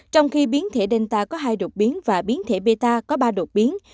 trong khi biến thể delta có hai đột biến và biến thể beta có ba đột biến